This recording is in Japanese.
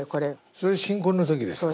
それ新婚の時ですか？